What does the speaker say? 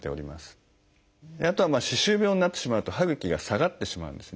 あとは歯周病になってしまうと歯ぐきが下がってしまうんですね。